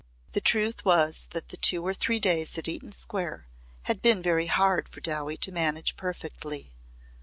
The truth was that the two or three days at Eaton Square had been very hard for Dowie to manage perfectly.